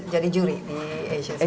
jadi juri di asia's got talent